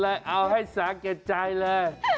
เอาให้สาหัวใจเลย